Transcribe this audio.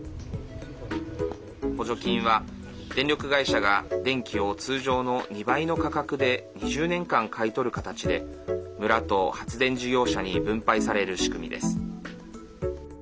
補助金は電力会社が電気を通常の２倍の価格で２０年間、買い取る形で村と発電事業者に分配される仕組みです。